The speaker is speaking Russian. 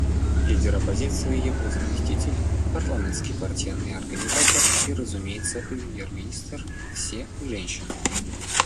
Лидер оппозиции, его заместитель, парламентский партийный организатор и, разумеется, премьер-министр — все женщины.